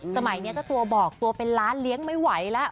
สมัยนี้เจ้าตัวบอกตัวเป็นล้านเลี้ยงไม่ไหวแล้ว